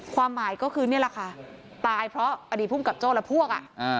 ความหมายก็คือนี่แหละค่ะตายเพราะอดีตภูมิกับโจ้และพวก